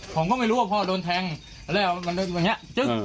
ผมก็ไม่รู้ว่าพ่อโดนแทงแล้วมันก็อย่างเงี้ยจึ๊บ